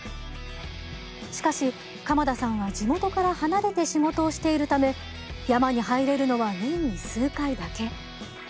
しかし鎌田さんは地元から離れて仕事をしているため山に入れるのは年に数回だけ。